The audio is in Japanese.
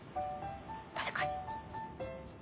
確かに。